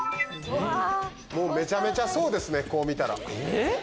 めちゃめちゃそうですねこう見たら。